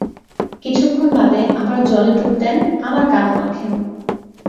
কিছুক্ষণ বাদে আবার জলে ডুব দেন, আবার কাদা মাখেন।